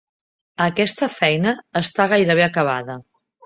Aquesta feina està gairebé acabada.